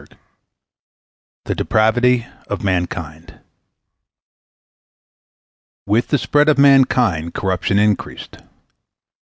THE DEPRAVITY OF MANKIND With the spread of mankind corruption increased.